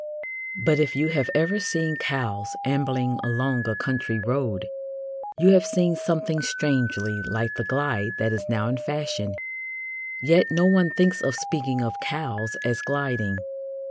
But, if you have ever seen cows ambling along a country road you have seen something strangely like the glide that is now in fashion, yet no one thinks of speaking of cows as "gliding."